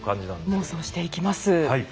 妄想していきます。